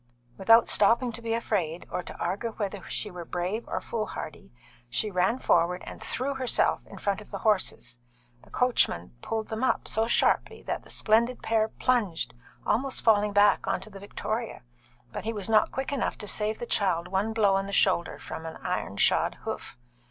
Without stopping to be afraid, or to argue whether she were brave or foolhardy, she ran forward and threw herself in front of the horses. The coachman pulled them up so sharply that the splendid pair plunged, almost falling back on to the victoria, but he was not quick enough to save the child one blow on the shoulder from an iron shod hoof.